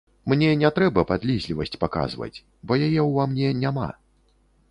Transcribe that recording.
Мне не трэба падлізлівасць паказваць, бо яе ўва мне няма.